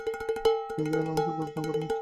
স্বয়ংক্রিয়-ধ্বংস বন্ধ করা হয়েছে।